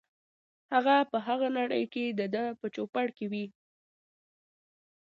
هغه په هغه نړۍ کې دده په چوپړ کې وي.